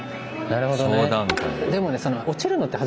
なるほどね。